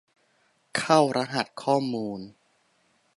เข้ารหัสข้อมูล